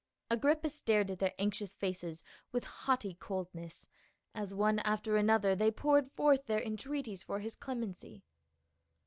Agrippa stared at their anxious faces with haughty coldness, as one after another they poured forth their entreaties for his clemency.